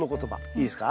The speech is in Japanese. いいですか。